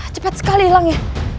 cepat sekali hilangnya